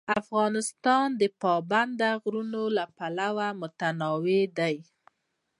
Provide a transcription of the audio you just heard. افغانستان د پابندی غرونه له پلوه متنوع دی.